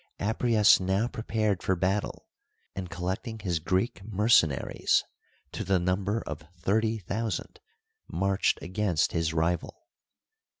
Apries now prepared for battle, and, collecting his Greek mercenaries to the number of thirty thousand, marched against his rival.